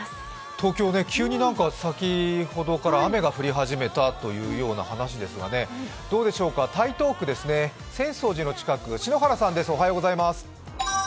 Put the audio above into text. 東京、急に先ほどから雨が降り始めたという話ですが、台東区ですね、浅草寺の近くの篠原さんです。